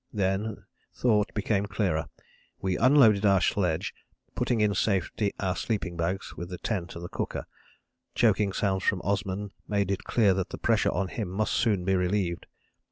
Then thought became clearer. We unloaded our sledge, putting in safety our sleeping bags with the tent and cooker. Choking sounds from Osman made it clear that the pressure on him must soon be relieved.